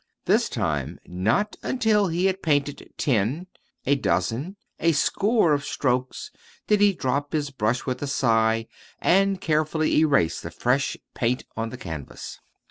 This time not until he had painted ten, a dozen, a score of strokes, did he drop his brush with a sigh and carefully erase the fresh paint on the canvas.